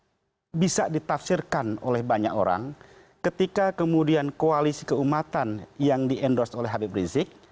satu kalimat yang bisa ditafsirkan oleh banyak orang ketika kemudian koalisi keumatan yang diendorse oleh habib rizik